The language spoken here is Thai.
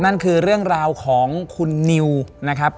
นั่นคือเรื่องราวของคุณนิวนะครับ